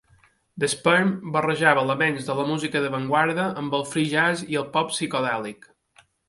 The Sperm barrejava elements de la música d'avantguarda amb el free jazz i el pop psicodèlic.